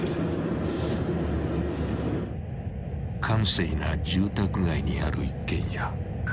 ［閑静な住宅街にある一軒家］